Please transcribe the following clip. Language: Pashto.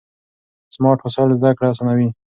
سمارټ وسایل زده کړه اسانوي.